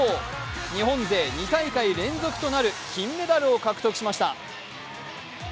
日本勢２大会連続となる金メダルを獲得しました。